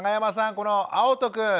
このあおとくん。